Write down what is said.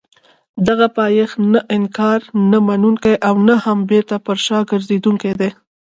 دغه پایښت نه انکار نه منونکی او نه هم بېرته پر شا ګرځېدونکی دی.